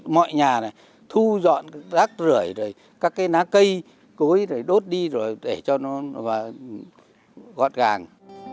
mọi nhà này thu dọn rác rửa rồi các cái ná cây cối rồi đốt đi rồi để cho nó gọt gàng